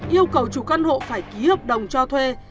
yêu cầu chủ căn hộ phải ký hợp đồng cho thuê